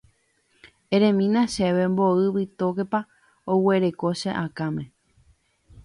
eremína chéve mboy vitókepa aguereko che akãme